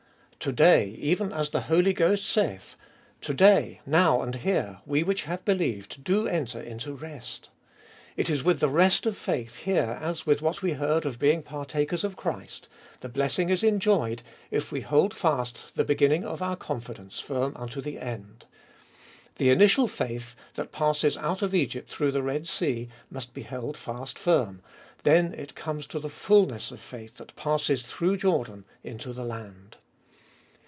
To day, even as the Holy Ghost saith, " To day," now and here, we which have believed do enter into rest. It is with the rest of faith here as with what we heard of being partakers of Christ — the blessing is enjoyed, if we hold fast the beginning of our confidence firm unto the end. The initial faith, that passes out of Egypt through the Red Sea, must be held fast firm, then it comes to the fulness of faith that passes through Jordan into the land.